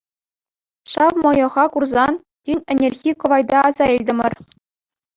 Ҫав мӑйӑха курсан тин ӗнерхи кӑвайта аса илтӗмӗр.